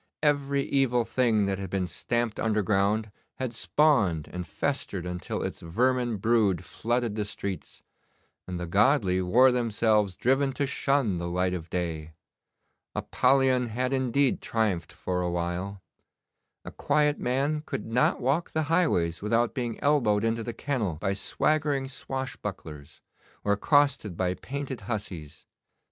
Every evil thing that had been stamped underground had spawned and festered until its vermin brood flooded the streets, and the godly wore themselves driven to shun the light of day. Apollyon had indeed triumphed for a while. A quiet man could not walk the highways without being elbowed into the kennel by swaggering swashbucklers, or accosted by painted hussies.